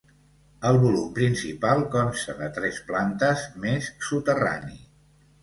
El volum principal consta de tres plantes, més soterrani.